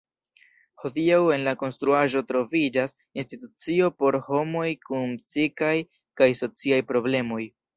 Hodiaŭ en la konstruaĵo troviĝas institucio por homoj kun psikaj kaj sociaj problemoj.